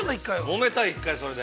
◆もめた、１回、それで。